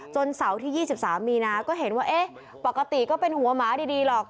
เสาร์ที่๒๓มีนาก็เห็นว่าเอ๊ะปกติก็เป็นหัวหมาดีหรอก